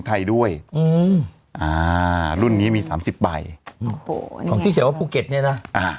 ไม่อยากไปเที่ยวนะคุณผู้ชมนะ